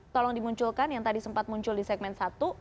tolong dimunculkan yang tadi sempat muncul di segmen satu